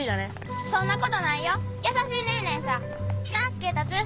そんなことないよ優しい姉え姉えさな恵達。